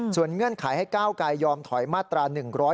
ส่วนเงื่อนไขให้ก้าวไกลยอมถอยมาตรา๑๑๒